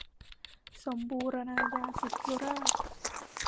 สมบูรณาญาสิทธิราชย์